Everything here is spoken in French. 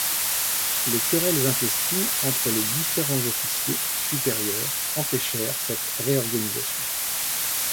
Les querelles intestines entre les différents officiers supérieurs empêchèrent cette réorganisation.